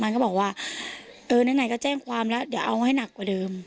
มันก็บอกว่าเออไหนก็แจ้งความแล้วเดี๋ยวเอาให้หนักกว่าเดิม